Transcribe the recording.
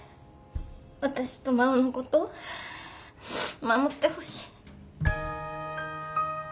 私と真央のこと守ってほしい。